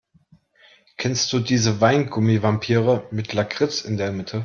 Kennst du diese Weingummi-Vampire mit Lakritz in der Mitte?